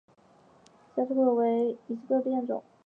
小紫果槭为槭树科槭属下的一个变种。